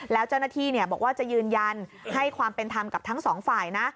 แล้วเจ้าหน้าที่บอกว่าจะยืนยันให้ความเป็นธรรมกับทั้งสองฝ่ายนะ